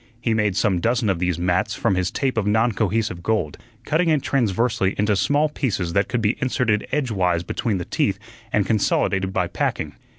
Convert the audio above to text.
He made some dozen of these "mats" from his tape of non cohesive gold, cutting it transversely into small pieces that could be inserted edgewise between the teeth and consolidated by packing.